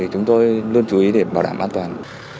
chúng tôi luôn chú ý để bảo đảm an toàn